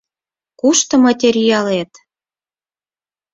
— Кушто материалет?